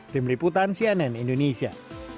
tim liputan cnn indonesia